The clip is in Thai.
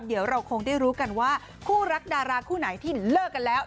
เดี๋ยวเราคงได้รู้กันว่าคู่รักดาราคู่ไหนที่เลิกกันแล้ว